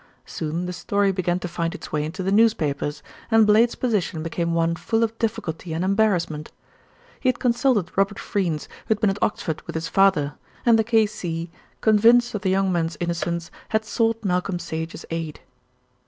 Soon the story began to find its way into the newspapers, and Blade's position became one full of difficulty and embarrassment. He had consulted Robert Freynes, who had been at Oxford with his father, and the K.C., convinced of the young man's innocence, had sought Malcolm Sage's aid.